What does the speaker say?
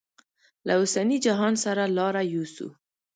له اوسني جهان سره لاره یوسو.